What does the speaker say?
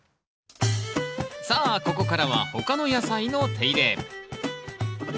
さあここからは他の野菜の手入れ。